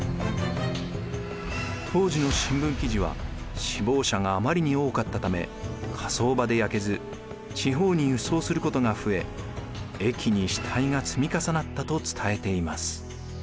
当時の新聞記事は死亡者が余りに多かったため火葬場で焼けず地方に輸送することが増え駅に死体が積み重なったと伝えています。